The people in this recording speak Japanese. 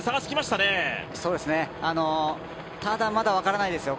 ただまだ分からないですよ。